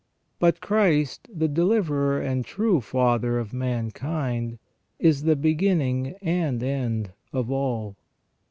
But Christ, the Deliverer and True Father of mankind, is the beginning and the end of all.